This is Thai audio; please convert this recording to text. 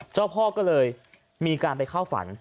เจ้าพ่อก็เลยมีการไปเข้าฝัน